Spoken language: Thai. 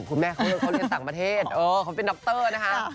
คุณแม่เขาเรียนต่างประเทศเขาเป็นดรนะคะ